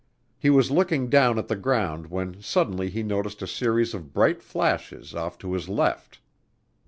He was looking down at the ground when suddenly he noticed a series of bright flashes off to his left.